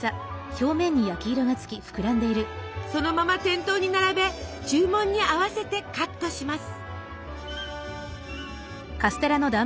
そのまま店頭に並べ注文に合わせてカットします。